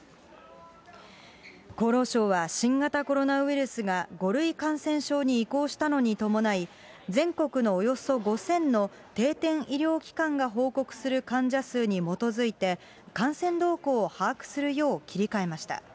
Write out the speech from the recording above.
厚労省は新型コロナウイルスが５類感染症に移行したのに伴い、全国のおよそ５０００の定点医療機関が報告する患者数に基づいて、感染動向を把握するよう切り替えました。